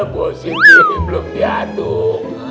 buat siti belum diaduk